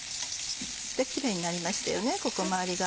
キレイになりましたよね周りが。